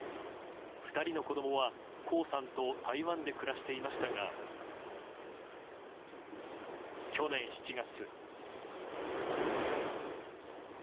２人の子供は江さんと台湾で暮らしていましたが去年７月。